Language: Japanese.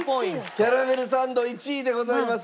キャラメルサンド１位でございます。